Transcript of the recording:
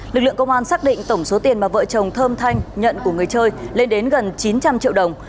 lực lượng công an xác định tổng số tiền mà vợ chồng thơm thanh nhận của người chơi lên đến gần chín trăm linh triệu đồng